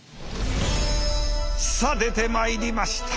さあ出てまいりました。